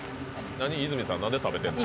何泉さん何で食べてんの？